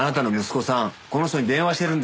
この人に電話してるんです。